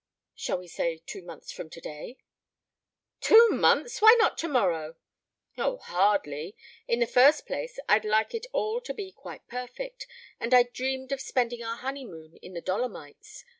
"Shall we say two months from today?" "Two months! Why not tomorrow?" "Oh, hardly. In the first place I'd like it all to be quite perfect, and I'd dreamed of spending our honeymoon in the Dolomites.